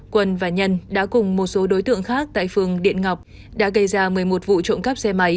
quân và nhân đã cùng một số đối tượng khác tại phường điện ngọc đã gây ra một mươi một vụ trộm cắp xe máy